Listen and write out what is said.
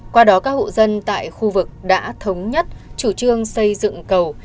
qua đó các hộ dân tại khu vực đã thống nhất chủ trương xây dựng cầu